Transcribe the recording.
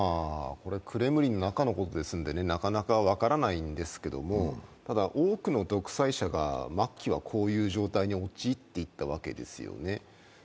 クレムリンの中のことですので、なかなか分からないんですけど、ただ、多くの独裁者が末期はこういう状態に陥っていったわけですよね。